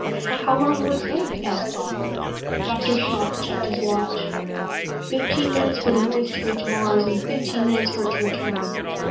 "How long will it take?" asked Crawford. Dr. Shalt checked his watch. "Fifteen minutes for the voice to reach Mars and fifteen minutes for its return."